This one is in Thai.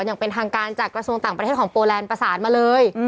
อย่างเป็นทางการจากกระทรวงต่างประเทศของโปแลนด์ประสานมาเลย